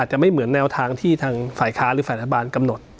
จะไม่เหมือนแนวทางที่ทางฝ่ายค้าหรือฝ่ายรัฐบาลกำหนด